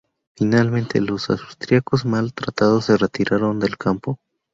Finalmente, los austríacos mal tratados se retiraron del campo.